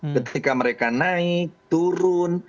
ketika mereka naik turun